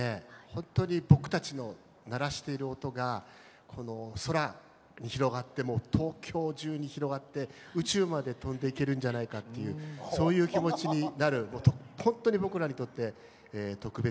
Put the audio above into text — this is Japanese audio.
ほんとに僕たちの鳴らしている音が空に広がってもう東京中に広がって宇宙まで飛んでいけるんじゃないかっていうそういう気持ちになるほんとに僕らにとって特別な場所です。